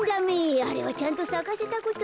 あれはちゃんとさかせたことないよ。